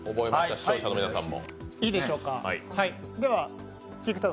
視聴者の皆さんも。